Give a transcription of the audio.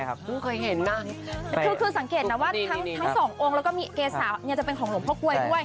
คือสังเกตนะว่าทั้งสององค์แล้วก็มีเกษาจะเป็นของหลงพกวยด้วย